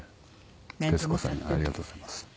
徹子さんありがとうございます。